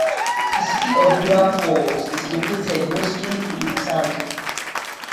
The City of River Falls is located mostly within the town.